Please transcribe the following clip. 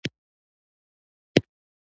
راتلونکې مرستې په اصلاحاتو پورې مشروطې شوې.